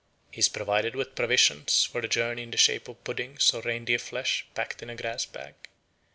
He is provided with provisions for the journey in the shape of puddings or reindeer flesh packed in a grass bag.